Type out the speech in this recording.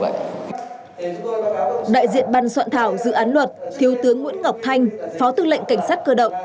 đại diện ban soạn thảo dự án luật thiếu tướng nguyễn ngọc thanh phó tư lệnh cảnh sát cơ động